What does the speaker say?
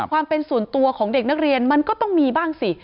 ความเป็นส่วนตัวของเด็กนักเรียนมันก็ต้องมีบ้างสิ